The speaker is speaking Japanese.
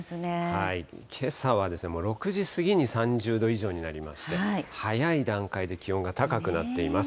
けさはもう６時過ぎに３０度以上になりまして、早い段階で気温が高くなっています。